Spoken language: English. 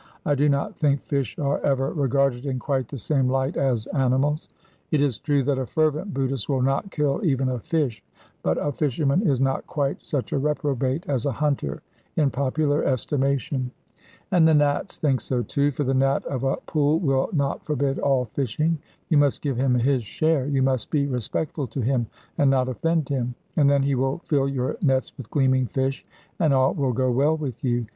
I do not think fish are ever regarded in quite the same light as animals. It is true that a fervent Buddhist will not kill even a fish, but a fisherman is not quite such a reprobate as a hunter in popular estimation. And the Nats think so too, for the Nat of a pool will not forbid all fishing. You must give him his share; you must be respectful to him, and not offend him; and then he will fill your nets with gleaming fish, and all will go well with you.